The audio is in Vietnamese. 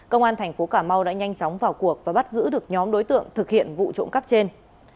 công an thành phố cà mau đã nhanh chóng vào cuộc và bắt giữ được nhóm đối tượng thực hiện vụ trộm cắp trên